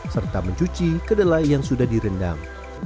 serta mencuci kedelai yang sudah direndam